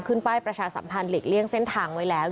ป้ายประชาสัมพันธ์หลีกเลี่ยงเส้นทางไว้แล้ว